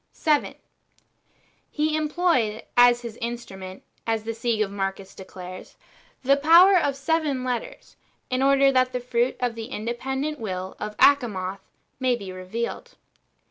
7. He employed as his instrument, as the Sige of Marcus declares, the power of seven letters," in order that the fruit of the independent will [of Achamoth] might be revealed.